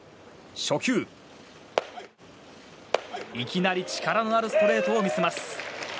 初球、いきなり力のあるストレートを見せます。